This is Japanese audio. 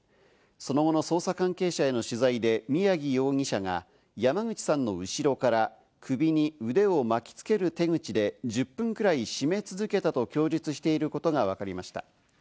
その後の捜査関係者への取材で、宮城容疑者が、山口さんの後ろから首に腕を巻きつける手口で１０分くらい絞め続けたと供述していることがわかりました。